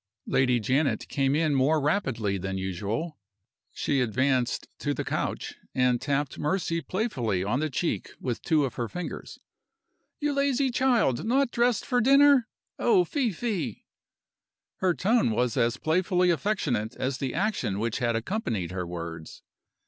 Lady Janet came in more rapidly than usual. She advanced to the couch, and tapped Mercy playfully on the cheek with two of her fingers. "You lazy child! Not dressed for dinner? Oh, fie, fie!" Her tone was as playfully affectionate as the action which had accompanied her words.